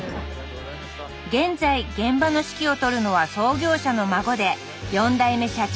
現在現場の指揮を執るのは創業者の孫で４代目社長